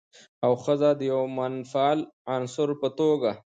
او ښځه د يوه منفعل عنصر په توګه